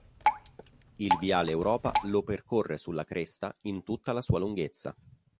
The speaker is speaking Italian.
Il Viale Europa lo percorre sulla cresta in tutta la sua lunghezza.